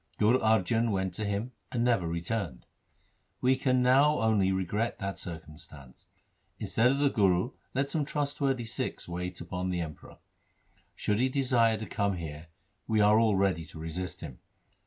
Guru Arjan went to him and never re turned. We can now only regret that circumstance. Instead of the Guru let some trustworthy Sikhs wait on the Emperor. Should he desire to come here, we are all ready to resist him.